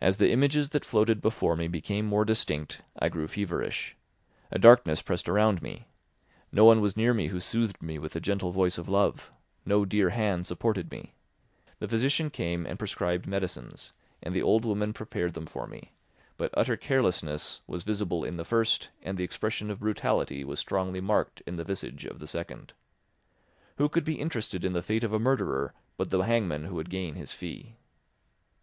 As the images that floated before me became more distinct, I grew feverish; a darkness pressed around me; no one was near me who soothed me with the gentle voice of love; no dear hand supported me. The physician came and prescribed medicines, and the old woman prepared them for me; but utter carelessness was visible in the first, and the expression of brutality was strongly marked in the visage of the second. Who could be interested in the fate of a murderer but the hangman who would gain his fee?